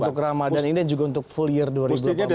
untuk ramadan ini dan juga untuk full year dua ribu delapan belas